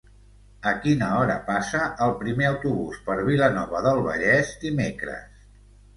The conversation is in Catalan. A quina hora passa el primer autobús per Vilanova del Vallès dimecres?